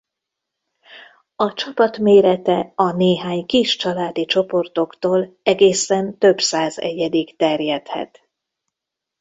A csapat mérete a néhány kis családi csoportoktól egészen több száz egyedig terjedhet.